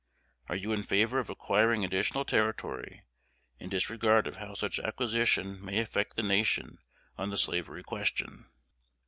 Are you in favor of acquiring additional territory, in disregard of how such acquisition may affect the nation on the slavery question?